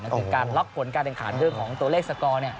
ก็คือการล็อกผลการแข่งขันเรื่องของตัวเลขสกอร์